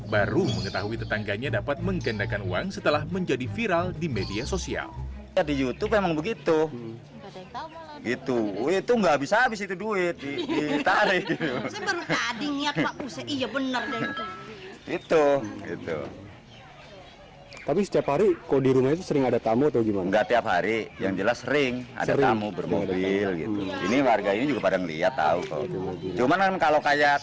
baru mengetahui tetangganya dapat menggendakan uang setelah menjadi viral di media sosial